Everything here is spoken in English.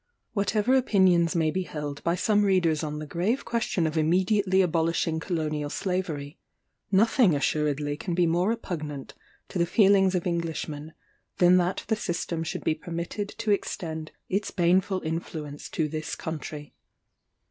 Whatever opinions may be held by some readers on the grave question of immediately abolishing Colonial Slavery, nothing assuredly can be more repugnant to the feelings of Englishmen than that the system should be permitted to extend its baneful influence to this country.